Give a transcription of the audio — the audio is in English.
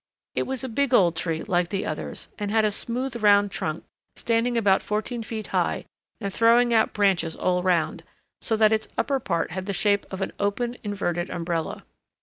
It was a big old tree like the others, and had a smooth round trunk standing about fourteen feet high and throwing out branches all round, so that its upper part had the shape of an open inverted umbrella.